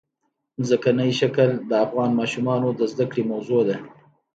ځمکنی شکل د افغان ماشومانو د زده کړې موضوع ده.